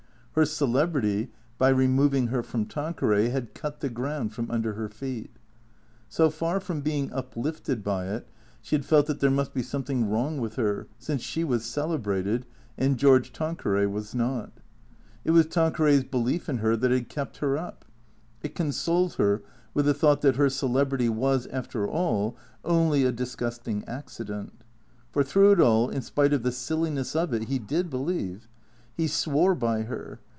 Her celebrity, by removing her from Tanqueray, had cut the ground from under her feet. So far from being uplifted by it, she had felt that there must be something wrong with her since she was celebrated and George Tanqueray was not. It was Tanqueray's belief in her that had kept her up. It consoled her with the thought that her celebrity was, after all, only a dis gusting accident. For, through it all, in spite of the silliness of it, he did believe. He swore by her.